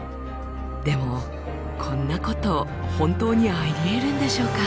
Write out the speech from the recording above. でもこんなこと本当にありえるんでしょうか？